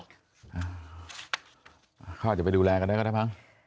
เขาอาจจะไปดูแลกันได้ก็ได้มั้ง